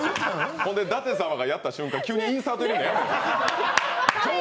そんで舘様がやった瞬間インサート入れるのやめて。